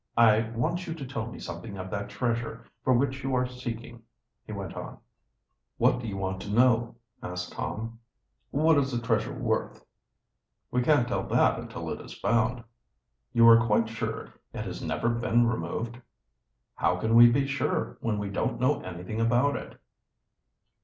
"I want you to tell me something of that treasure for which you are seeking," he went on. "What do you want to know?" asked Tom. "What is the treasure worth?" "We can't tell that until it is found." "You are quite sure it has never been removed?" "How can we be sure, when we don't know anything about it."